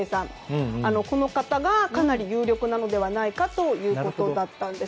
この方かなり有力なのではないかということです。